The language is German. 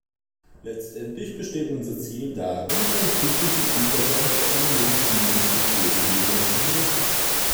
Letztendlich besteht unser Ziel darin, beim friedlichen Übergang zu einer legitimen Zivilregierung zu helfen.